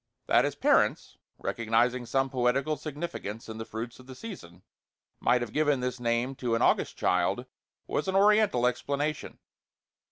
That his parents, recognizing some poetical significance in the fruits of the season, might have given this name to an August child, was an Oriental explanation.